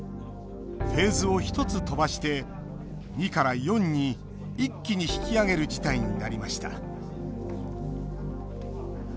フェーズを１つ飛ばして２から４に、一気に引き上げる事態になりました。